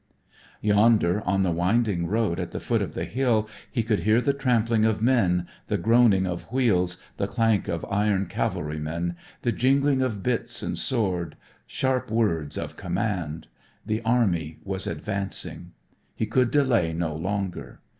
Yonder on the winding road at the foot of the hill he could hear the trampling of men, the groaning of wheels, the clank of iron cavalrymen, the jingling of bits and swords, sharp words of command. The army was advancing. He could delay no longer.